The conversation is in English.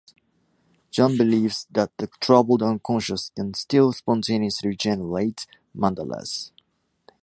Jung believes that the troubled unconscious can still spontaneously generate mandalas.